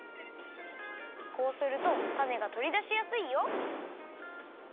こうするとたねがとりだしやすいよ。